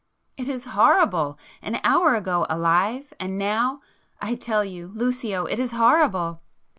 "It is horrible! An hour ago alive, ... and now ... I tell you, Lucio, it is horrible!"